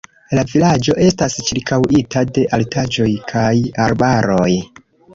La vilaĝo estas ĉirkaŭita de altaĵoj kaj arbaroj.